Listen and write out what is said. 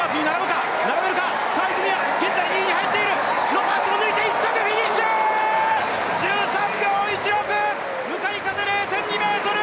ロバーツを抜いて１着フィニッシュ１３秒１６、向かい風０．２メートル。